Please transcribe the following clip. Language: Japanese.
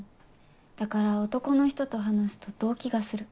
だから男の人と話すと動悸がする。